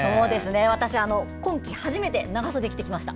私、今季初めて長袖を着てきました。